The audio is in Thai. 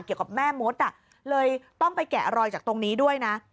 เกี่ยวกับแม่มดเลยต้องไปแกะรอยจากตรงนี้ด้วยนะ